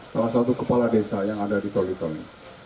salah satu kepala desa yang ada di toli toli